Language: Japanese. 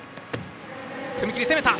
踏み切り、攻めた！